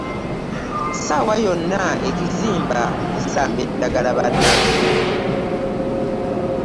Ssaawa yonna ekizimba kisamba eddagala bannange.